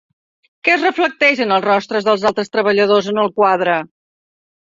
Què es reflecteix en els rostres dels altres treballadors en el quadre?